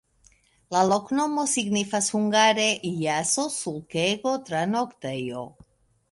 La loknomo signifas hungare jaso-sulkego-tranoktejo.